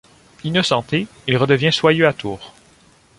Innocenté, il redevient soyeux à Tours.